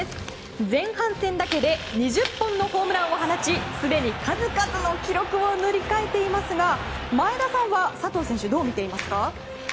前半戦だけで２０本のホームランを放ちすでに数々の記録を塗り替えていますが前田さんは佐藤選手どう見ていますか？